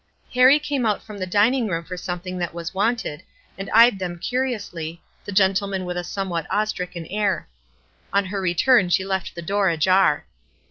ITarric came out from the dining room for something that was wanted, and eyed them cu WISE AND OTHERWISE. 355 Kously, the gentleman with a somewhat awc Btricken air. On her return she left the door ajar.